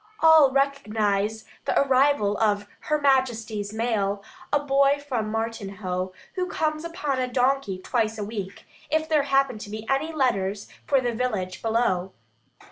All recognise the arrival of Her Majesty's mail, a boy from Martinhoe, who comes upon a donkey twice a week, if there happen to be any letters for the village below.